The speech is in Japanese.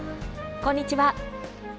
こんにちは。